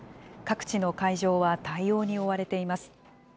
各地の会場は対応に追われています。